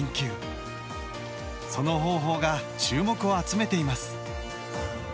その方法が注目を集めています。